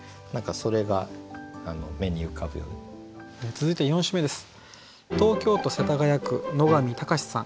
続いて４首目です。